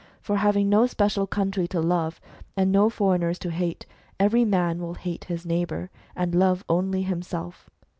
For having no special country to love, and no foreigners to hate, every man will hate his neighbour, and love only himself.